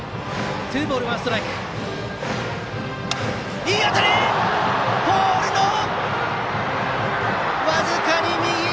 いい当たりだがポールの僅かに右！